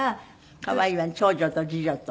可愛いわね長女と次女と。